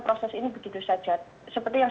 proses ini begitu saja seperti yang